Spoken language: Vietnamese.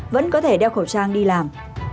vẫn có thể đeo khẩu trang đi làm